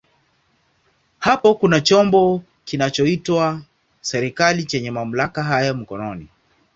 Hapo kuna chombo kinachoitwa serikali chenye mamlaka haya mkononi.